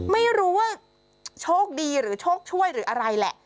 ไม่รู้ว่าโชคดีหรือโชคช่วยหรืออะไรแหละ